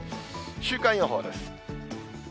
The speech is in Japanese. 週間予報です。